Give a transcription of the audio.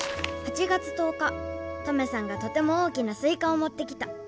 「８月１０日トメさんがとても大きなスイカをもってきた。